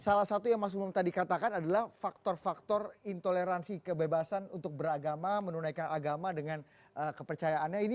salah satu yang mas umam tadi katakan adalah faktor faktor intoleransi kebebasan untuk beragama menunaikan agama dengan kepercayaannya